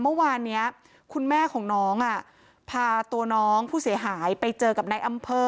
เมื่อวานนี้คุณแม่ของน้องพาตัวน้องผู้เสียหายไปเจอกับนายอำเภอ